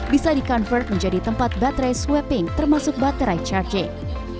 bisa di convert menjadi tempat baterai swepping termasuk baterai charging